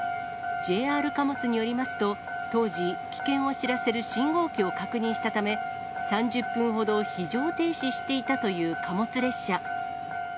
ＪＲ貨物によりますと、当時、危険を知らせる信号機を確認したため、３０分ほど非常停止していたという貨物列車。